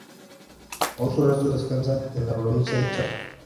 Hoy sus restos descansan en la provincia de Chaco.